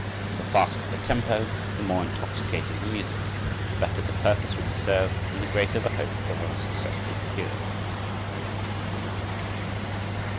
The faster the tempo, the more intoxicating the music, the better the purpose will be served, and the greater the hope of a successful cure.